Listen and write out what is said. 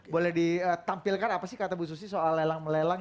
boleh ditampilkan apa sih kata bu susi soal lelang melelang